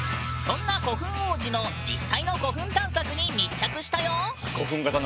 そんな古墳王子の実際の古墳探索に密着したよ。